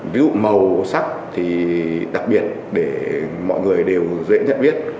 ví dụ màu sắc thì đặc biệt để mọi người đều dễ nhận biết